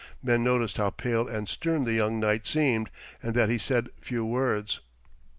Men noticed how pale and stern the young knight seemed, and that he said few words.